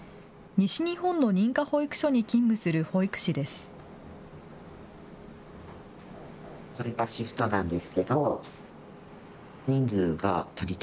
西日本の認可保育所に勤務する保育士です。